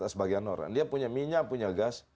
sebagian orang dia punya minyak punya gas